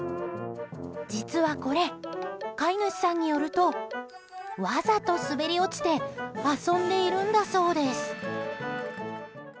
実はこれ、飼い主さんによるとわざと滑り落ちて遊んでいるんだそうです。